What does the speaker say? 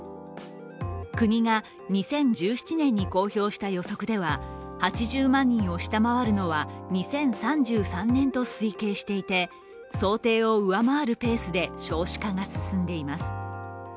国が２０１７年に公表した予測では８０万人を下回るのは２０３３年と推計していて想定を上回るペースで少子化が進んでいます。